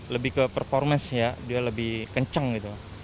lebih ke performance ya dia lebih kenceng gitu